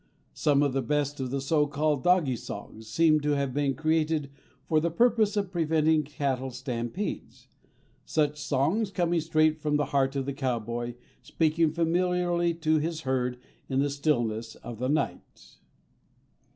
Some of the best of the so called "dogie songs" seem to have been created for the purpose of preventing cattle stampedes, such songs coming straight from the heart of the cowboy, speaking familiarly to his herd in the stillness of the night.